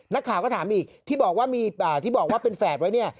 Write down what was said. นักข่าก็ถามอีกที่บอกว่าเป็นแฝดไว้นี่